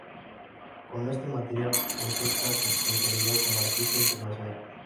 Con este material, Fonseca se consolidó como artista internacional.